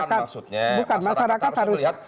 maksudnya masyarakat harus melihat